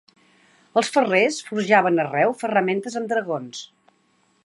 Els ferrers forjaven arreu ferramentes am dragons